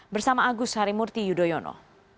bersama agus harimurti yudhoyono